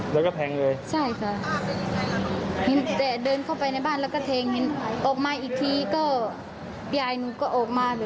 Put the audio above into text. แล้วก็แทงเลยใช่ค่ะเห็นแต่เดินเข้าไปในบ้านแล้วก็แทงเห็นออกมาอีกทีก็ยายหนูก็ออกมา